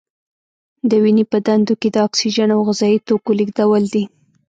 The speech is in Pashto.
د وینې په دندو کې د اکسیجن او غذايي توکو لیږدول دي.